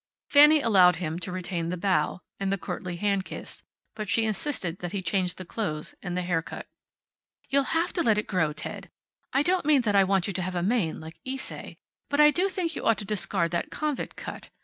Fanny allowed him to retain the bow, and the courtly hand kiss, but she insisted that he change the clothes and the haircut. "You'll have to let it grow, Ted. I don't mean that I want you to have a mane, like Ysaye. But I do think you ought to discard that convict cut.